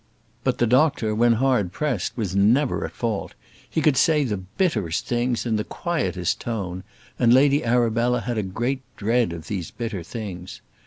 But the doctor, when hard pressed, was never at fault: he could say the bitterest things in the quietest tone, and Lady Arabella had a great dread of these bitter things.